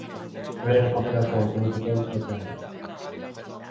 원재는 겁이 나서 우둘우둘 떨기까지 한다.